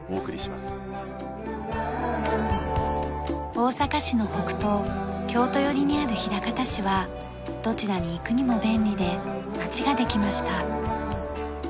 大阪市の北東京都寄りにある枚方市はどちらに行くにも便利で街ができました。